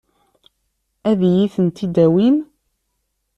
Ad iyi-tent-id-tawim?